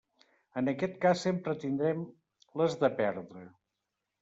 En aquest cas sempre tindrem les de perdre.